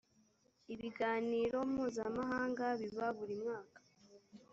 ibiganiro mpuzamahanga biba burimwaka.